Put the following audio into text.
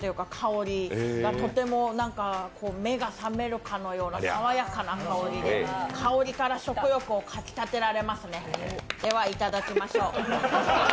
とても目が覚めるかのような、さわやかな香りで、香りから食欲をかきたてられますねではいただきましょう。